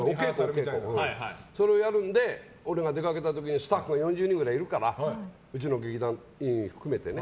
それをやるので俺が出かけた時にスタッフが４０人ぐらいいるのかなうちの劇団員を含めてね。